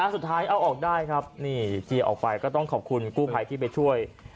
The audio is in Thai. สุดท้ายเอาออกได้ครับนี่เจียออกไปก็ต้องขอบคุณกู้ภัยที่ไปช่วย